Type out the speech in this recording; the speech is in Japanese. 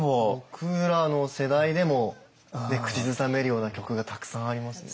僕らの世代でも口ずさめるような曲がたくさんありますね。